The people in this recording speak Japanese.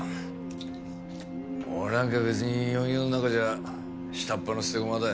俺なんか別に４４の中じゃあ下っ端の捨て駒だ。